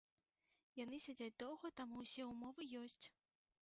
Яны сядзяць доўга, таму ўсе ўмовы ёсць.